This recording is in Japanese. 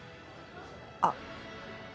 あっ。